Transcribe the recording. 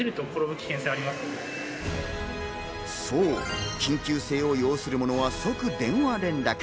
そう、緊急性を要するものは即電話連絡。